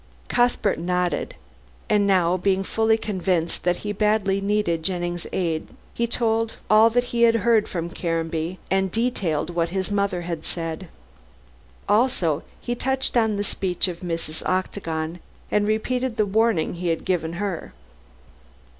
Cuthbert nodded, and now, being fully convinced that he badly needed Jennings' aid, he told all that he had heard from Caranby, and detailed what his mother had said. Also, he touched on the speech of Mrs. Octagon, and repeated the warning he had given her.